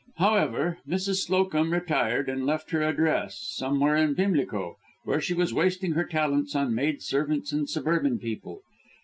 However, Mrs. Slowcomb retired and left her address somewhere in Pimlico, where she was wasting her talents on maid servants and suburban people.